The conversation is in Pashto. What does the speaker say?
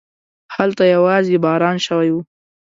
هلته يواځې باران شوی و.